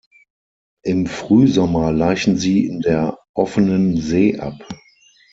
Im Frühsommer laichen sie in der offenen See ab.